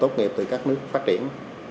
tốt nghiệp từ các nước phát triển